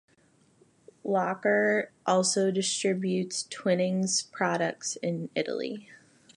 Loacker also distributes Twinings products in Italy.